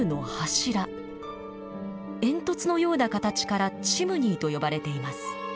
煙突のような形からチムニーと呼ばれています。